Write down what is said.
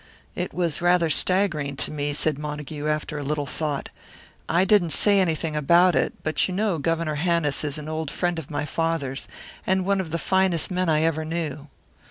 "It was rather staggering to me," said Montague, after a little thought. "I didn't say anything about it, but you know Governor Hannis is an old friend of my father's, and one of the finest men I ever knew."